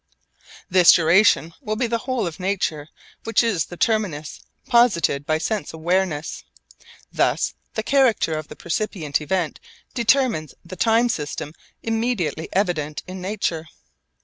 This duration will be the whole of nature which is the terminus posited by sense awareness. Thus the character of the percipient event determines the time system immediately evident in nature.